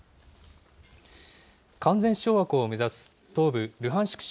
完全掌握を目指す東部ルハンシク